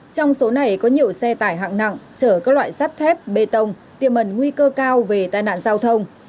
trong số này có nhiều xe tải hạng nặng chở các loại sắt thép bê tông tiềm ẩn nguy cơ cao về tai nạn giao thông